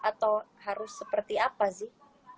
atau harus seperti apa sih